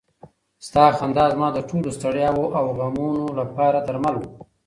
ستا خندا زما د ټولو ستړیاوو او غمونو لپاره درمل و.